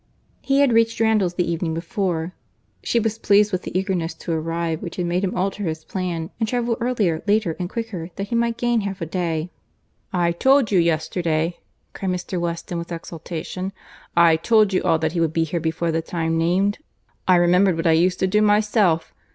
He had reached Randalls the evening before. She was pleased with the eagerness to arrive which had made him alter his plan, and travel earlier, later, and quicker, that he might gain half a day. "I told you yesterday," cried Mr. Weston with exultation, "I told you all that he would be here before the time named. I remembered what I used to do myself.